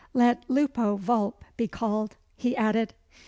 "Let Lupo Vulp be called," he added.